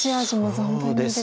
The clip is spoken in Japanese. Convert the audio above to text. そうですね。